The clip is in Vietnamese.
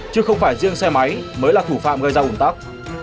chứ không phải riêng xe máy mới là thủ phạm gây ra ủng tắc